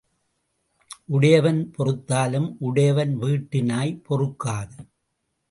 உடையவன் பொறுத்தாலும் உடையவன் வீட்டு நாய் பொறுக்காது.